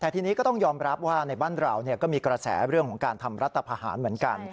แต่ทีนี้ก็ต้องยอมรับว่าในบ้านเราก็มีกระแสเรื่องของการทำรัฐพาหารเหมือนกัน